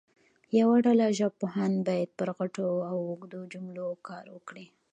یوه ډله ژبپوهان باید پر غټو او اوږدو جملو کار وکړي.